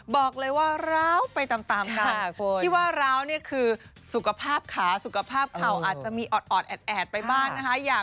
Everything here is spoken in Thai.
บอกเลยว่าร้าวไปตามกันที่ว่าร้าวเนี่ยคือสุขภาพขาสุขภาพเข่าอาจจะมีออดแอดไปบ้างนะคะ